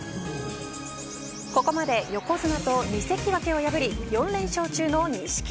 ここまで横綱と２関脇を破り４連勝中の錦木。